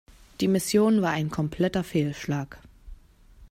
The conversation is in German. Die Mission war ein kompletter Fehlschlag.